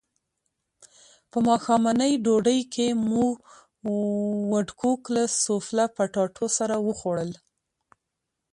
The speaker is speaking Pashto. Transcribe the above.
په ماښامنۍ ډوډۍ کې مو وډکوک له سوفله پټاټو سره وخوړل.